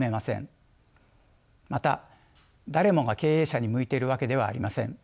また誰もが経営者に向いているわけではありません。